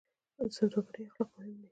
د سوداګرۍ اخلاق مهم دي